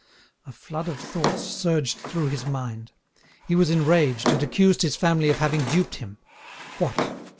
A flood of thoughts surged through his mind. He was enraged, and accused his family of having duped him. What!